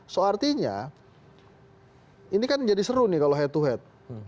so artinya ini kan jadi seru nih kalau head to head